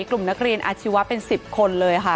กลุ่มนักเรียนอาชีวะเป็น๑๐คนเลยค่ะ